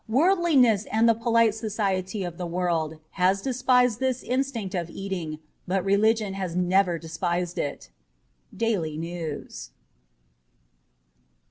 Worldliness and the polite society of the world has despised this instinct of eating, but religion has never despised it. ' Daily News.'